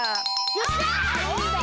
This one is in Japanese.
よっしゃあ！